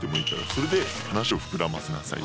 それで話を膨らませなさい。